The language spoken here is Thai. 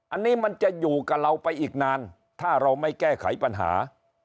อันนี้มันจะอยู่กับเราไปอีกนานถ้าเราไม่แก้ไขปัญหา